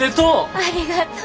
ありがとう！